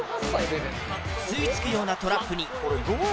吸いつくようなトラップに。